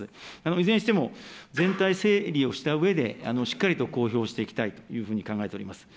いずれにしても、全体整理をしたうえで、しっかりと公表していきたいというふうに考えております。